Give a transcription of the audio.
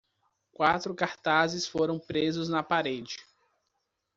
Quatro cartazes foram presos na parede